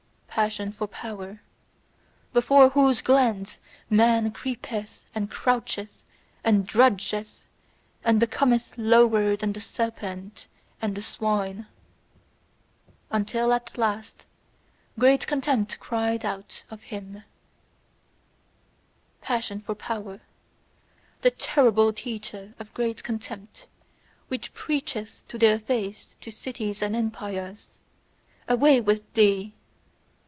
Passion for power: before whose glance man creepeth and croucheth and drudgeth, and becometh lower than the serpent and the swine: until at last great contempt crieth out of him , Passion for power: the terrible teacher of great contempt, which preacheth to their face to cities and empires: "Away with thee!"